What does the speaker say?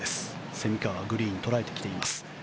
蝉川、グリーン捉えてきています。